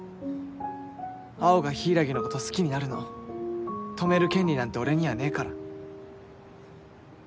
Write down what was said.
青が柊のこと好きになるの止める権利なんて俺にはねえから。